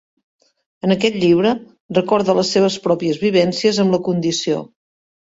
En aquest llibre recorda les seves pròpies vivències amb la condició.